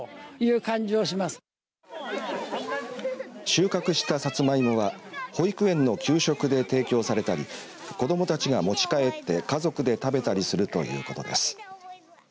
収穫したさつまいもは保育園の給食で提供されたり子どもたちが持ち帰って家族で食べたりするということです。